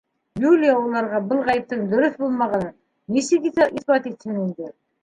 Юлия уларға был ғәйептең дөрөҫ булмағанын нисек иҫбат итһен инде.